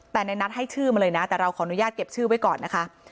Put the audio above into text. แต่ในนัทให้ชื่อมาเลยนะแต่เราขออนุญาตเก็บชื่อไว้ก่อนนะคะ